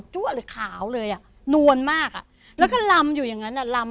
ั่วเลยขาวเลยอ่ะนวลมากอ่ะแล้วก็ลำอยู่อย่างนั้นอ่ะลำ